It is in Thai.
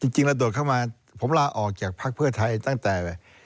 จริงเราโดดเข้ามาผมลาออกจากภักดิ์เพื่อไทยตั้งแต่